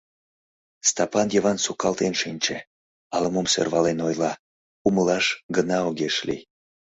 Стапан Йыван сукалтен шинче, ала-мом сӧрвален ойла, умылаш гына огеш лий.